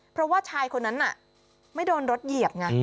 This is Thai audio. เพราะว่าชายคนนั้นน่ะไม่โดนรถเหยียบไง